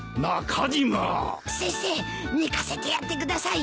先生寝かせてやってください。